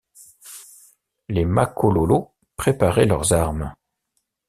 Les Makololos préparaient leurs armes.